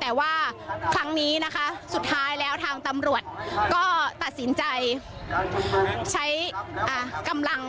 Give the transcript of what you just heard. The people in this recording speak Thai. แต่ว่าครั้งนี้นะคะสุดท้ายแล้วทางตำรวจก็ตัดสินใจใช้กำลัง